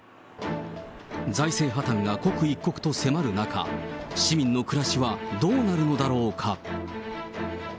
財政破綻が刻一刻と迫る中、市民の暮らしはどうなるのだろうか。